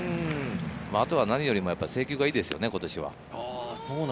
あとは何より制球がいいですよね。